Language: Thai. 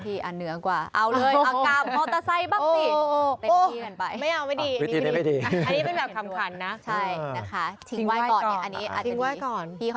ทิ้งว่ายก่อนอันนี้อาจจะดี